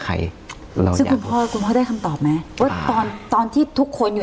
ใครซึ่งคุณพ่อคุณพ่อได้คำตอบไหมว่าตอนตอนที่ทุกคนอยู่